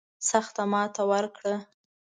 سخته ماته ورکړه.